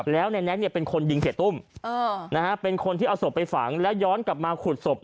แล้วนายแน็กเป็นคนยิงเสียตุ้มเป็นคนที่เอาศพไปฝังแล้วย้อนกลับมาขุดศพ